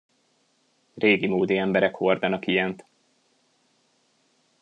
Régimódi emberek hordanak ilyent.